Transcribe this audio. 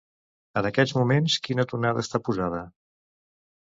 En aquests moments quina tonada està posada?